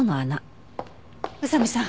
宇佐見さん